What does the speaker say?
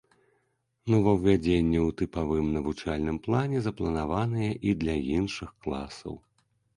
Новаўвядзенні ў тыпавым навучальным плане запланаваныя і для іншых класаў.